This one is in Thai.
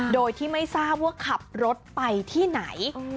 โดยที่ไม่ทราบว่าขับรถไปที่ไหน